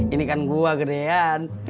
ini kan gua gedean